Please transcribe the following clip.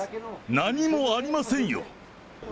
何もありませんよ。